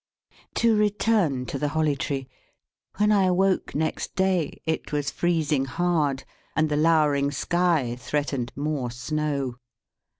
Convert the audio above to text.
To return to the Holly Tree. When I awoke next day, it was freezing hard, and the lowering sky threatened more snow.